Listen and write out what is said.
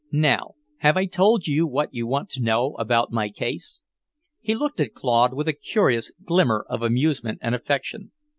"Now, have I told you what you want to know about my case?" He looked down at Claude with a curious glimmer of amusement and affection.